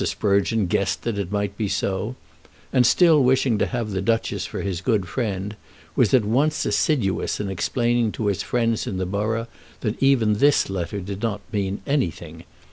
Sprugeon guessed that it might be so, and, still wishing to have the Duchess for his good friend, was at once assiduous in explaining to his friends in the borough that even this letter did not mean anything.